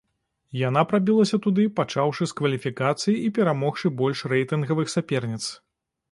Яна прабілася туды, пачаўшы з кваліфікацыі і перамогшы больш рэйтынгавых саперніц.